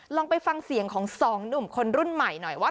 ลองไปฟังเสียงของสองหนุ่มคนรุ่นใหม่หน่อยว่า